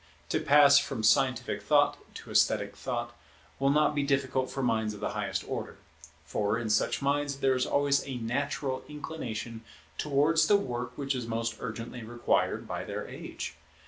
To pass from scientific thought to esthetic thought will not be difficult for minds of the highest order; for in such minds there is always a natural inclination towards the work which is most urgently required by their age.